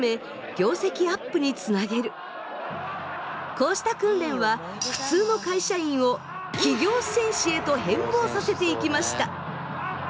こうした訓練は普通の会社員を企業戦士へと変貌させていきました。